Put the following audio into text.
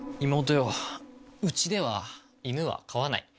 ようちでは犬は飼わない。